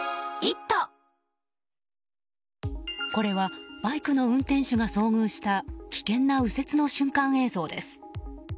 これはバイクの運転手が遭遇した危険な右折の瞬間映像です。